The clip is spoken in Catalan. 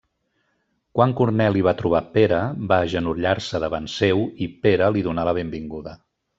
Quan Corneli va trobar Pere, va agenollar-se davant seu i Pere li donà la benvinguda.